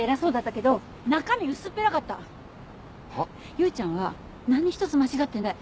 唯ちゃんは何一つ間違ってない。